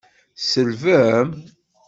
Tselbem?